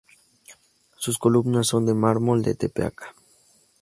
Sus columnas son de mármol de Tepeaca.